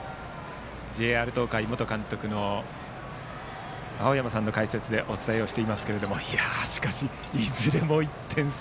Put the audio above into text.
ＪＲ東海元監督の青山さんの解説でお伝えしていますけどもしかし、いずれも１点差。